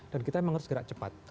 dan kita harus segera cepat